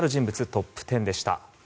トップ１０でした。